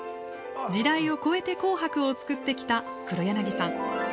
時代を越えて「紅白」を作ってきた黒柳さん。